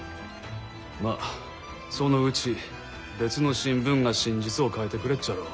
まぁそのうち別の新聞が真実を書いてくれっじゃろう。